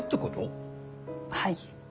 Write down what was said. はい。